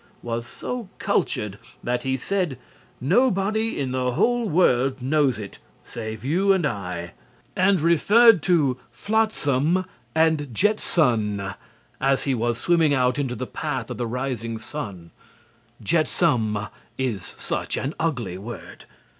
was so cultured that he said, "Nobody in the whole world knows it, save you and I," and referred to "flotsam and jetson" as he was swimming out into the path of the rising sun. "Jetsam" is such an ugly word.